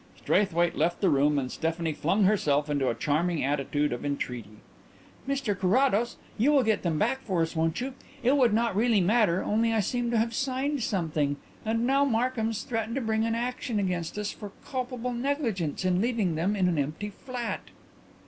Straithwaite left the room and Stephanie flung herself into a charming attitude of entreaty. "Mr Carrados, you will get them back for us, won't you? It would not really matter, only I seem to have signed something and now Markhams threaten to bring an action against us for culpable negligence in leaving them in an empty flat."